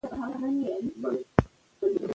ډاکټر ډسیس څو پروژې پرمخ وړي.